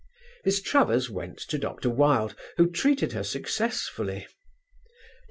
Miss Travers went to Dr. Wilde, who treated her successfully. Dr.